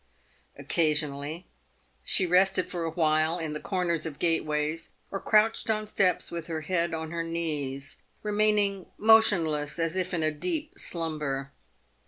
Occa sionally she rested for awhile in the corners of gateways or crouched ton steps with her head on her knees, remaining motionless as if in a deep slumber.